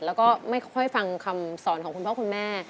แล้วก็ไม่ค่อยฟังคำสอนของคุณพ่อคุณแม่